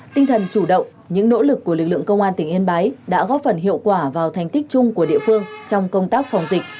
tinh thần chủ động những nỗ lực của lực lượng công an tỉnh yên bái đã góp phần hiệu quả vào thành tích chung của địa phương trong công tác phòng dịch